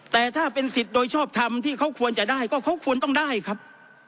แต่ถ้าเป็นสิทธิ์โดยชอบทำที่เขาควรจะได้ก็เขาควรต้องได้ครับ